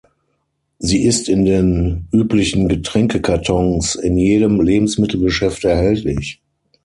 Sie ist in den üblichen Getränkekartons in jedem Lebensmittelgeschäft erhältlich.